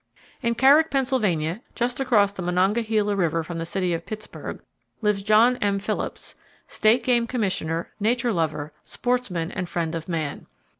In Carrick, Pennsylvania, just across the Monongahela River from the city of Pittsburgh, lives John M. Phillips, State Game Commissioner, nature lover, sportsman and friend of man.